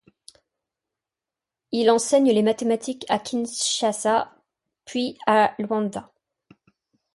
Il enseigne les mathématiques à Kinshasa, puis à Luanda.